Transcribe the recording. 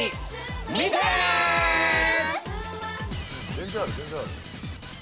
全然ある全然ある。